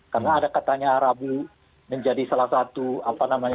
karena ada katanya rabu menjadi salah satu apa namanya